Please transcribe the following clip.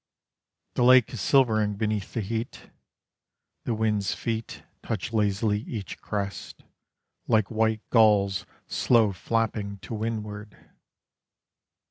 The lake is silvering beneath the heat. The wind's feet Touch lazily each crest, Like white gulls slow flapping To windward.